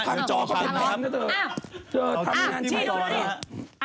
ผ่านจอค่ะ